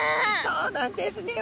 そうなんですね！